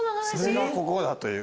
それがここだという。